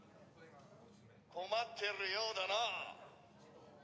困ってるようだな！